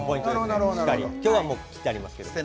今日もう切ってありますけど。